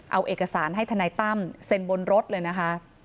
เอาเอกสารให้ทนายตั้มเซ็นบนรถเลยนะคะ